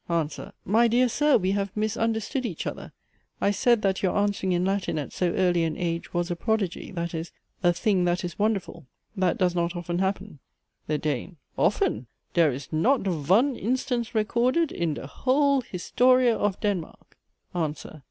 ANSWER. My dear Sir! we have misunderstood each other. I said that your answering in Latin at so early an age was a prodigy, that is, a thing that is wonderful; that does not often happen. THE DANE. Often! Dhere is not von instance recorded in dhe whole historia of Denmark. ANSWER.